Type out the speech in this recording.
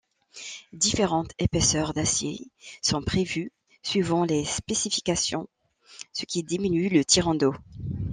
Différentes épaisseurs d'acier sont prévues suivant les spécifications, ce qui diminue le tirant d'eau.